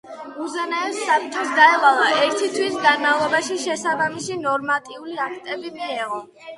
უზენაეს საბჭოს დაევალა, ერთი თვის განმავლობაში შესაბამისი ნორმატიული აქტები მიეღო.